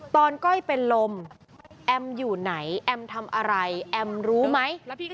ก้อยเป็นลมแอมอยู่ไหนแอมทำอะไรแอมรู้ไหม